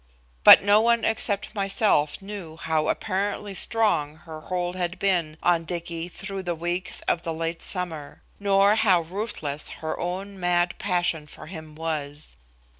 But no one except myself knew how apparently strong her hold had been on Dicky through the weeks of the late summer, nor how ruthless her own mad passion for him was.